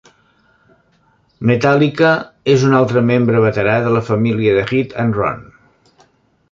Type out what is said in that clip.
Metallica és un altre membre veterà de la família de Hit and Run.